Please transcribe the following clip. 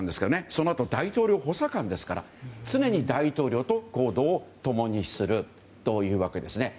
そのあと大統領補佐官ですから常に大統領と行動を共にするというわけですね。